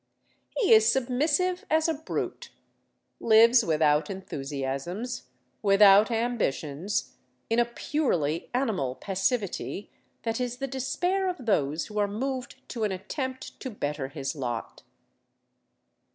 He is submissive as a brute, lives without enthusiasms, without ambitions, in a purely animal passivity that is the despair of those who are moved to an attempt to better his lot.